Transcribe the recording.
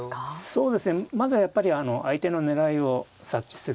そうですねまずはやっぱり相手の狙いを察知すること。